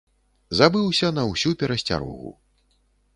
Забыўся на ўсю перасцярогу.